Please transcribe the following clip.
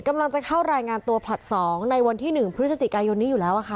กำลังจะเข้ารายงานตัวผลัด๒ในวันที่๑พฤศจิกายนนี้อยู่แล้วค่ะ